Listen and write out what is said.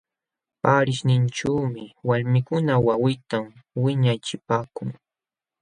Paarishninćhuumi walmikuna wawinta wiñachipaakun.